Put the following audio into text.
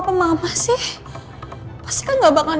buat bayar kartu kredit gue kan